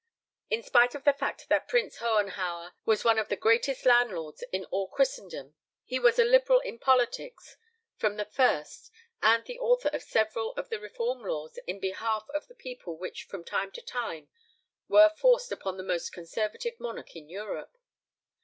In spite of the fact that Prince Hohenhauer was one of the greatest landlords in all Christendom he was a liberal in politics from the first and the author of several of the reform laws in behalf of the people which from time to time were forced upon the most conservative monarch in Europe.